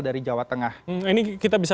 dari jawa tengah ini kita bisa